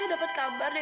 ya udah kita bisa